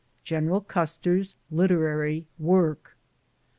GENERAL CUSTER'S LITERARY WORK.